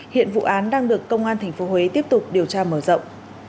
hiện vụ án đang được công an tp huế tiếp tục điều tra mở rộng